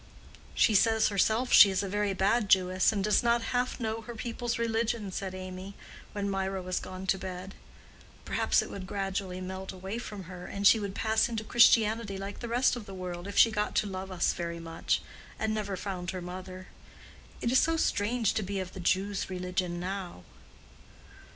"She says herself she is a very bad Jewess, and does not half know her people's religion," said Amy, when Mirah was gone to bed. "Perhaps it would gradually melt away from her, and she would pass into Christianity like the rest of the world, if she got to love us very much, and never found her mother. It is so strange to be of the Jews' religion now."